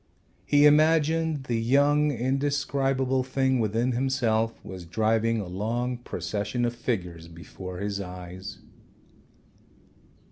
He imagined the young indescribable thing within himself was driving a long procession of figures before his eyes.